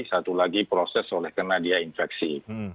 satu lagi proses oleh karena dia infeksi